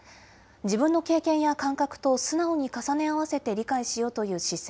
自分の経験や感覚と素直に重ね合わせて理解しようという姿勢。